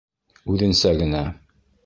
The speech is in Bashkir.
Үҙенсә генә...